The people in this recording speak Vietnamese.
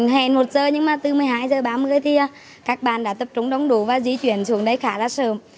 hẹn một giờ nhưng mà từ một mươi hai h ba mươi thì các bạn đã tập trung đông đủ và di chuyển xuống đây khá là sớm